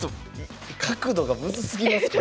角度がむずすぎますこれ。